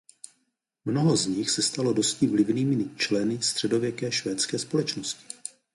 Mnoho z nich se stalo dosti vlivnými členy středověké švédské společnosti.